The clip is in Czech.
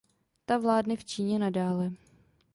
Ta vládne v Číně nadále.